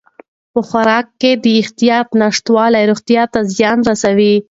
په خوراک کې د احتیاط نشتوالی روغتیا ته زیان رسوي.